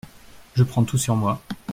Je prends tout sur moi…